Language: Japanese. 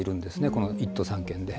この１都３県で。